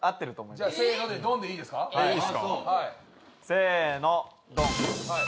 せーのドン。